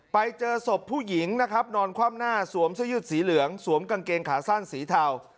ไปเจอศพผู้หญิงนะครับนอนคว่ำหน้าสวมเสื้อยืดสีเหลืองสวมกางเกงขาสั้นสีเทา